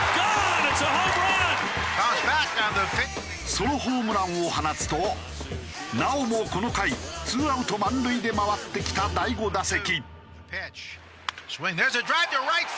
ソロホームランを放つとなおもこの回ツーアウト満塁で回ってきた第５打席。